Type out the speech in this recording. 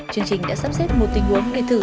chương trình đã sắp xếp một tình huống để thử